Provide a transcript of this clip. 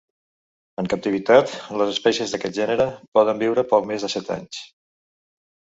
En captivitat les espècies d'aquest gènere poden viure poc més de set anys.